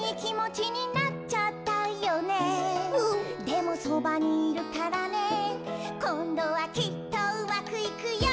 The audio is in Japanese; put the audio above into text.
「でもそばにいるからねこんどはきっとうまくいくよ！」